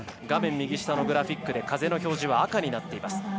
画面右下のグラフィックで風の表示は赤になっています。